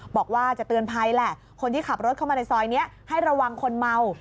บอกว่าจะเตือนภัยแหละคนที่ขับรถเข้ามาในซอยนี้ให้ระวังคนเมา